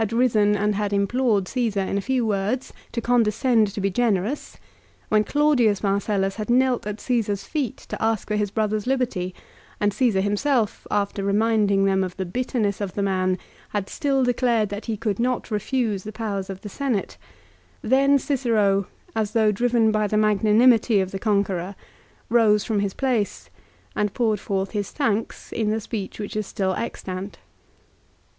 risen and had implored Caesar in a few words to condescend to be generous, when Claudius Marcellus had knelt at Caesar's feet to ask for his brother's liberty, and Csesar himself, after reminding them of the bitterness of the man, had still declared that he could not refuse the prayers of the Senate, then Cicero, as though driven by the magnanimity of the conqueror, rose from his place, and poured forth his thanks in the speech which is still extant.